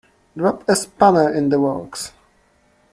Drop a spanner in the works